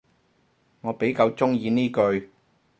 我比較鍾意呢句